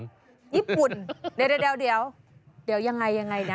ญี่ปุ่นเดี๋ยวเดี๋ยวยังไงนะ